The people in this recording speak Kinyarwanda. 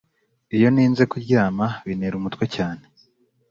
iyo ntinze kuryama bintera umutwe cyane